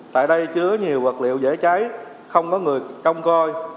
tại đây chứa nhiều vật liệu dễ cháy không có người trông coi